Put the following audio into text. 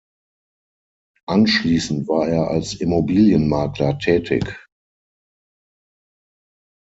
Anschließend war er als Immobilienmakler tätig.